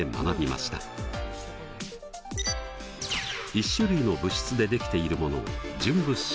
１種類の物質でできているものを純物質。